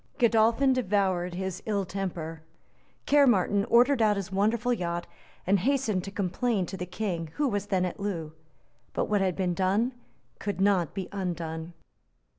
Godolphin devoured his ill temper. Caermarthen ordered out his wonderful yacht, and hastened to complain to the King, who was then at Loo. But what had been done could not be undone.